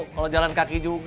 kalo jalan kaki juga